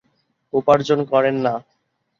উপার্জন করেন না।